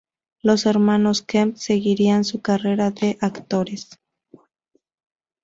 Los hermanos Kemp seguirían su carrera de actores.